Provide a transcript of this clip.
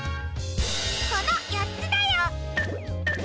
このよっつだよ！